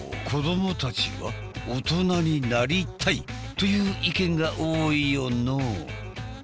子どもたちは大人になりたいという意見が多いよのう。